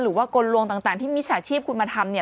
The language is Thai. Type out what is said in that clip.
หรือว่ากลวงต่างที่มิจฉาชีพคุณมาทำเนี่ย